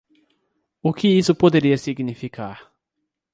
O que isso poderia significar?